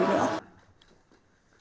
thông qua diễn đàn lần này